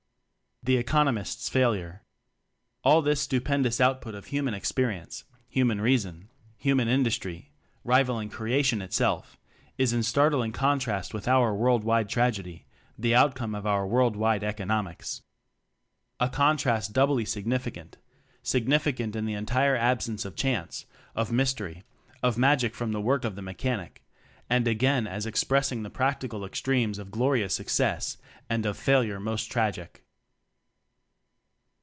The Economist's Failure. All this stupendous output of hu man experience, human reason, hu man industry rivalling creation itself is in startling contrast with our world wide tragedy, the outcome of our world wide economics. A con trast doubly significant; significant in the entire absence of chance, of mystery, of magic from the work of the mechanvc; and again as expres sing the practical extremes of glori ous success and of failure most tragic.